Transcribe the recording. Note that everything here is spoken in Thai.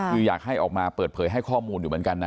คืออยากให้ออกมาเปิดเผยให้ข้อมูลอยู่เหมือนกันนะ